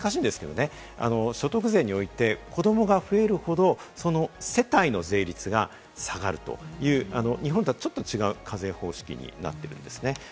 難しいんですけれども、所得税において子どもが増えるほどその世帯の税率が下がるという、日本とはちょっと違う課税方式になっています。